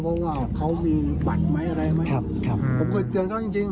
เพราะว่าเขามีบัตรไหมอะไรไหมครับครับผมเคยเตือนเขาจริงจริง